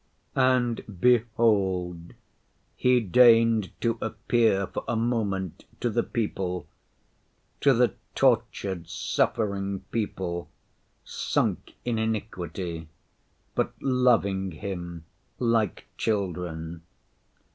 "And behold, He deigned to appear for a moment to the people, to the tortured, suffering people, sunk in iniquity, but loving Him like children.